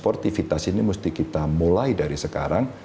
sportivitas ini mesti kita mulai dari sekarang